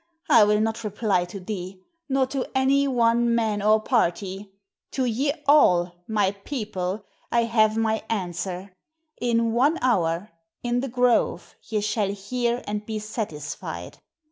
I will not reply to thee, nor to any one man or party. To ye all, my people, I have my answer. In one hour, in the grove, ye shall hear and be satisfied.